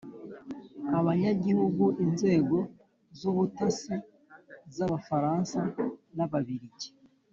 abanyagihugu inzego z ubutasi z Abafaransa n Ababirigi